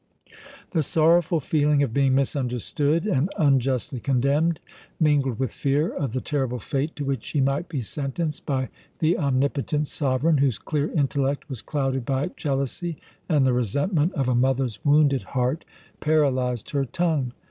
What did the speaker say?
The sorrowful feeling of being misunderstood and unjustly condemned, mingled with fear of the terrible fate to which she might be sentenced by the omnipotent sovereign, whose clear intellect was clouded by jealousy and the resentment of a mother's wounded heart, paralyzed her tongue.